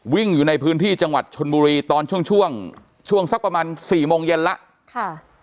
วิ่งอยู่ในพื้นที่จังหวัดชนบุรีตอนช่วงช่วงสักประมาณสี่โมงเย็นแล้วค่ะ